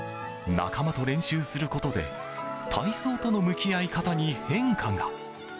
仲間と練習することで体操との向き合い方に変化が。